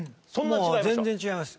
もう全然違います。